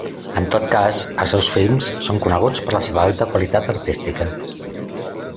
En tot cas, els seus films són coneguts per la seva alta qualitat artística.